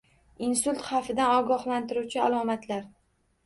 Insult xavfidan ogohlantiruvchi alomatlar